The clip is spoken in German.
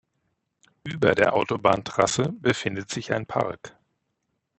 Über der Autobahntrasse befindet sich ein Park.